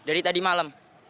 dari tadi malam